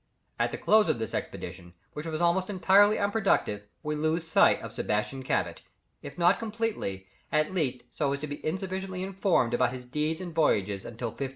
At the close of this expedition, which was almost entirely unproductive, we lose sight of Sebastian Cabot, if not completely, at least so as to be insufficiently informed about his deeds and voyages until 1517.